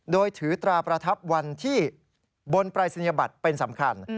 โดยถือตราประทับวันที่บนปรายศนียบัตรเป็นสำคัญ